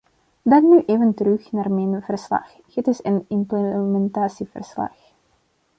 Dan nu even terug naar mijn verslag: het is een implementatieverslag.